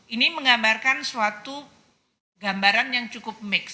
ini menggambarkan suatu gambaran yang cukup mix